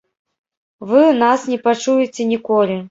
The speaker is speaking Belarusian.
Вы нас не пачуеце ніколі!